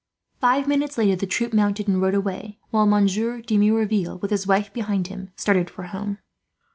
Five minutes later the troop mounted and rode away, while Monsieur de Merouville, with his wife behind him, started for home.